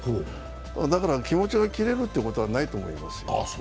だから気持ちは切れるということはないと思います。